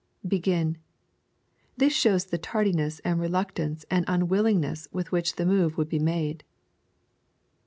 [Begin.] This shows the tardiness, and reluctance, and unwil lingness with which the move would be made.